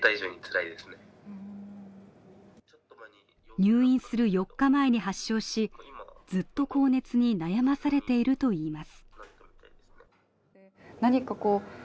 入院する４日前に発症し、ずっと高熱に悩まされているといいます